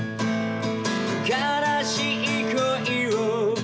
「悲しい恋を」